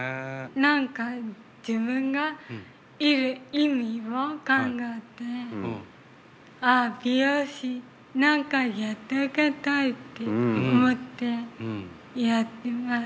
何か自分がいる意味を考えてああ美容師何かやってあげたいって思ってやってます。